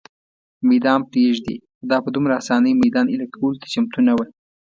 مېدان پرېږدي، خو دا په دومره آسانۍ مېدان اېله کولو ته چمتو نه وه.